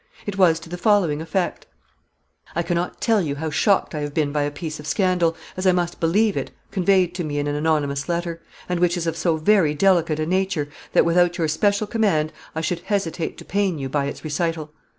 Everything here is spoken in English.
It was to the following effect: "I cannot tell you how shocked I have been by a piece of scandal, as I must believe it, conveyed to me in an anonymous letter, and which is of so very delicate a nature, that without your special command I should hesitate to pain you by its recital.